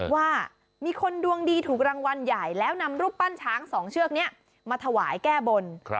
ว่ามีคนดวงดีถูกรางวัลใหญ่แล้วนำรูปปั้นช้าง๒เชือกนี้มาถวายแก้บน